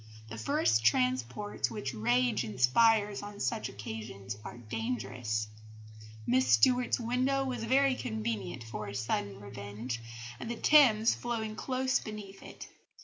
The first transports which rage inspires on such occasions are dangerous. Miss Stuart's window was very convenient for a sudden revenge, the Thames flowing close beneath it.